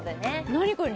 何これ？